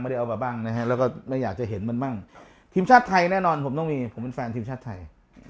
ได้เอามาบ้างนะฮะแล้วก็เราอยากจะเห็นมันบ้างทีมชาติไทยแน่นอนผมต้องมีผมเป็นแฟนทีมชาติไทย